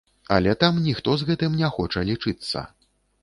Але там ніхто з гэтым не хоча лічыцца.